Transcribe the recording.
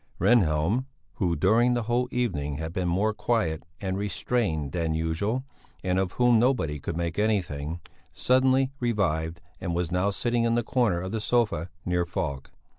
Rehnhjelm, who during the whole evening had been more quiet and restrained than usual, and of whom nobody could make anything, suddenly revived and was now sitting in the corner of the sofa near Falk.